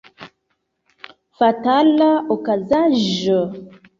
Fatala okazaĵo!